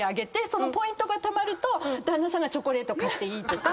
そのポイントがたまると旦那さんがチョコレート買っていいとか。